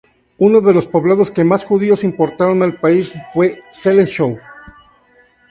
Uno de los poblados que más judíos importaron al país fue Żelechów.